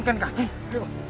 terbayar planned selebih anda